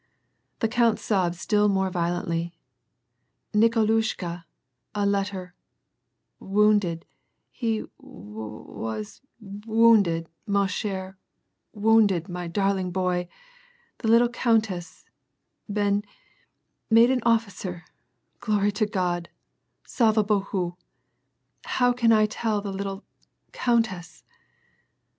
The count sobbed still more violently :" Xikolushka — a letter — wounded — he wa^wa was w wounded — rna ckere — wounded, my darling boy* — the little countess — been — made an officer — glory to God, sldva Baku / How can I tell the little — countess